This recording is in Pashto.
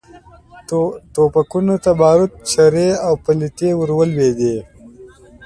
ټوپکونو ته باروت، چرې او پلتې ور ولوېدې.